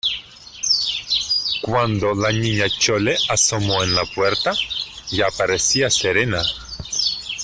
cuando la Niña Chole asomó en la puerta, ya parecía serena.